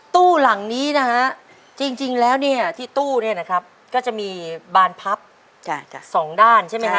ตู้หลังนี้นะฮะจริงแล้วเนี่ยที่ตู้เนี่ยนะครับก็จะมีบานพับสองด้านใช่ไหมฮะ